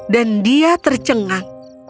dan dia tercengang